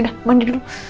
ida mandi dulu